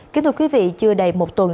kết thúc quý vị chưa đầy một tuần